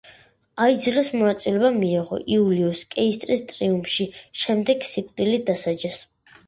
აიძულეს მონაწილეობა მიეღო იულიუს კეისრის ტრიუმფში, შემდეგ სიკვდილით დასაჯეს.